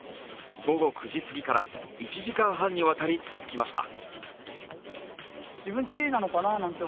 午後９時すぎから１時間半にわたり続きました。